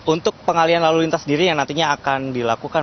untuk pengalian lalu lintas sendiri yang nantinya akan dilakukan